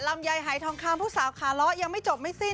ลำไยหายทองคำผู้สาวขาล้อยังไม่จบไม่สิ้น